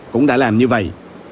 cũng đã làm như vậy